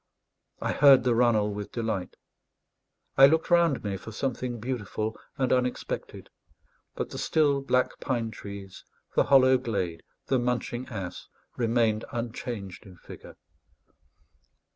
I heard the runnel with delight; I looked round me for something beautiful and unexpected; but the still black pine trees, the hollow glade, the munching ass, remained unchanged in figure.